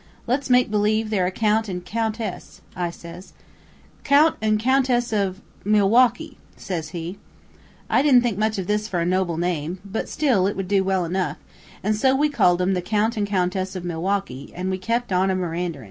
"'Let's make believe they're a count an' count says I. 'Count an' Countess of ' "'Milwaukee,' says he. "I didn't think much of this for a noble name, but still it would do well enough, an' so we called 'em the Count an' Countess of Milwaukee, an' we kep' on a meanderin'.